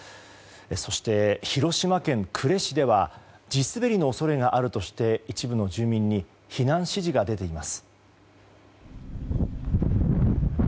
そして、広島県呉市では地滑りの恐れがあるとして一部の住民に避難指示が出ています。